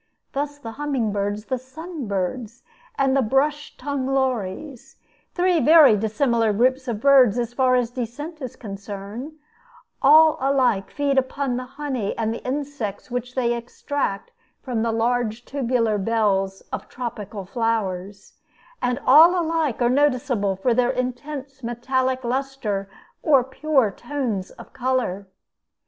Thus the humming birds, the sun birds, and the brush tongued lories, three very dissimilar groups of birds as far as descent is concerned, all alike feed upon the honey and the insects which they extract from the large tubular bells of tropical flowers; and all alike are noticeable for their intense metallic lustre or pure tones of color.